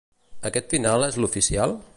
Aquest final és l'oficial?